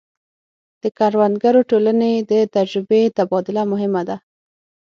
د کروندګرو ټولنې د تجربو تبادله مهمه ده.